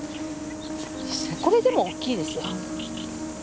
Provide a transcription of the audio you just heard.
これでも大きいですよ。